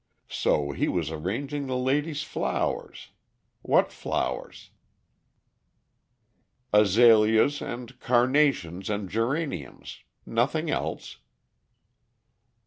So he was arranging the lady's flowers. What flowers?" "Azaleas and carnations and geraniums. Nothing else."